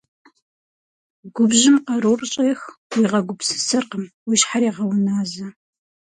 Губжьым къарур щӀех, уигъэгупсысэркъым, уи щхьэр егъэуназэ.